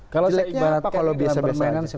kalau seleknya apa kalau biasa biasa aja